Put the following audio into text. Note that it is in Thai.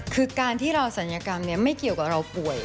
คือการที่เราศัลยกรรมไม่เกี่ยวกับเราป่วย